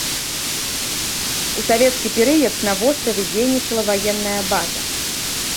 У савецкі перыяд на востраве дзейнічала ваенная база.